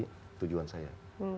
saya yang menjadi tujuan saya